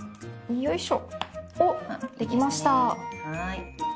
よいしょ。